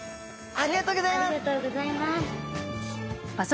ありがとうございます。